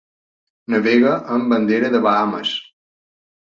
Navega amb bandera de Bahames.